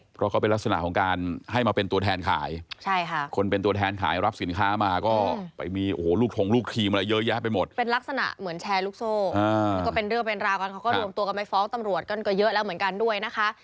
เพราะเขาเป็นลักษณะของการให้มาเป็นตัวแทนขายใช่ค่ะคนเป็นตัวแทนขาย